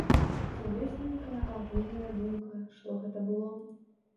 Ці ёсць нейкая агульная думка, што гэта было?